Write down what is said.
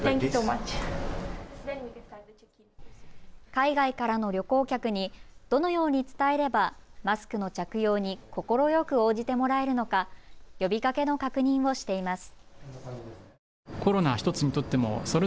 海外からの旅行客にどのように伝えればマスクの着用に快く応じてもらえるのか、呼びかけの確認をしています。